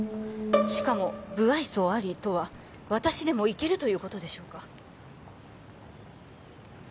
しかも「ブアイソウあり」とは私でもいけるということでしょうか？